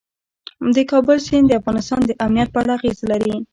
د کابل سیند د افغانستان د امنیت په اړه اغېز لري.